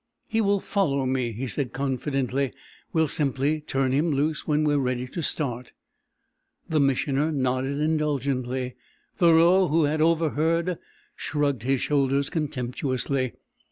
"He will follow me," he said confidently. "We'll simply turn him loose when we're ready to start." The Missioner nodded indulgently. Thoreau, who had overheard, shrugged his shoulders contemptuously.